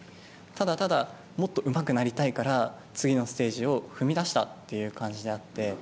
ただ、ただもっとうまくなりたいから次のステージに踏み出したという感じであって。